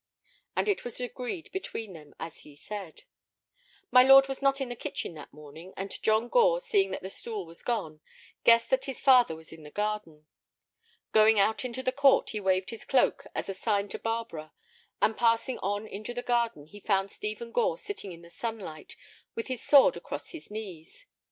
And it was agreed between them as he said. My lord was not in the kitchen that morning, and John Gore, seeing that the stool was gone, guessed that his father was in the garden. Going out into the court he waved his cloak as a sign to Barbara, and passing on into the garden he found Stephen Gore sitting in the sunlight with his sword across his knees.